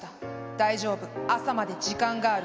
大丈夫朝まで時間がある。